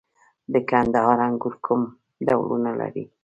د کندهار انګور کوم ډولونه لري؟